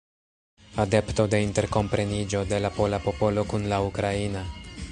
Adepto de interkompreniĝo de la pola popolo kun la ukraina.